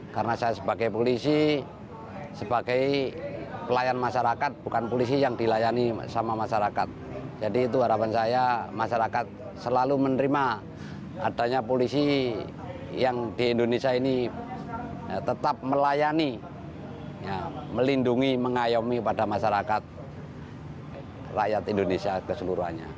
karena saya sebagai polisi sebagai pelayan masyarakat bukan polisi yang dilayani sama masyarakat jadi itu harapan saya masyarakat selalu menerima adanya polisi yang di indonesia ini tetap melayani melindungi mengayomi pada masyarakat rakyat indonesia keseluruhannya